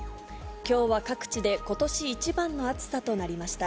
きょうは各地でことし一番の暑さとなりました。